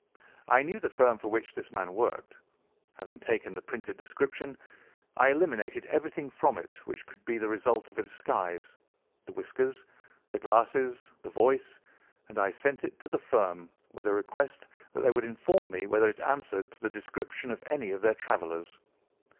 I knew the firm for which this man worked. Having taken the printed description. I eliminated everything from it which could be the result of a disguise—the whiskers, the glasses, the voice, and I sent it to the firm, with a request that they would inform me whether it answered to the description of any of their travellers.